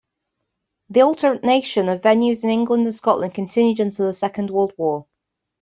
The alternation of venues in England and Scotland continued until the Second World War.